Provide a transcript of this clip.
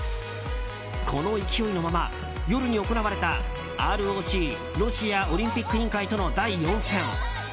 この勢いのまま、夜に行われたＲＯＣ・ロシアオリンピック委員会との第４戦。